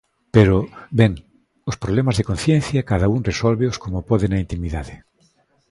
Pero, ben, os problemas de conciencia cada un resólveos como pode na intimidade.